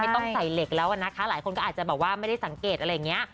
ต้องใส่เหล็กแล้วนะคะหลายคนก็อาจจะแบบว่าไม่ได้สังเกตอะไรอย่างนี้